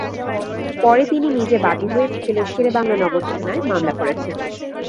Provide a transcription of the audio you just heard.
পরে তিনি নিজে বাদী হয়ে বিকেলে শেরেবাংলা নগর থানায় মামলা করেছেন।